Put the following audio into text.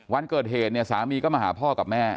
วันเกิดเหตุเนี่ยสามีก็มาหาพ่อกับแม่